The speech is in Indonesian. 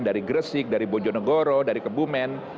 dari gresik dari bojonegoro dari kebumen